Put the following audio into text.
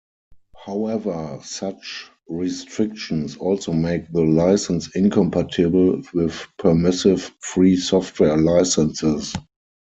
However such restrictions also make the license incompatible with permissive free software licenses.